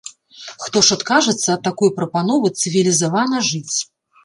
Хто ж адкажацца ад такой прапановы цывілізавана жыць?